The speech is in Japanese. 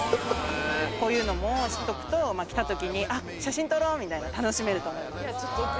こういうのも知っとくと来たときに写真撮ろうって楽しめると思います。